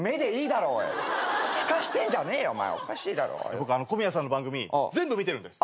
僕小宮さんの番組全部見てるんです。